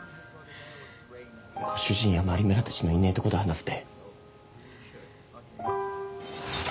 ご主人や真梨邑たちのいねえとこで話すべ。